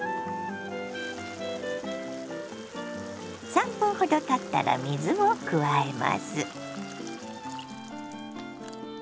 ３分ほどたったら水を加えます。